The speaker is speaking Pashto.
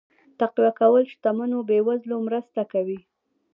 تقويه کول شتمنو بې وزلو مرسته کوي.